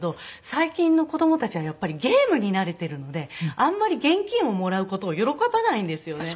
最近の子供たちはやっぱりゲームに慣れているのであんまり現金をもらう事を喜ばないんですよね。